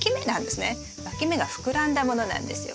わき芽が膨らんだものなんですよ。